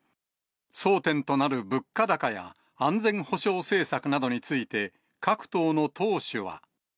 争点となる物価高や、安全保障政策などについて、各党の党首は。